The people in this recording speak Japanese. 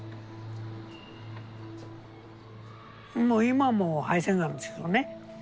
もう今も肺線がんなんですけどね。